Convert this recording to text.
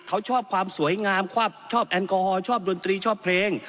เขาชอบความสวยงามความชอบแอลกอฮอลชอบดนตรีชอบเพลง